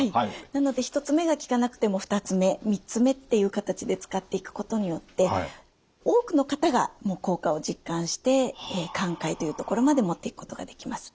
なので１つ目が効かなくても２つ目３つ目っていう形で使っていくことによって多くの方が効果を実感して寛解というところまでもっていくことができます。